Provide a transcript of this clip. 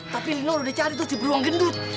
tapi linol udah cari tuh si beruang gendut